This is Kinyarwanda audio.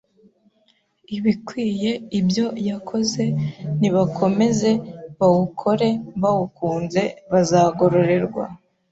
ibikwiye ibyo yakoze, nibakomeze bawukore bawukunze bazagororerwa.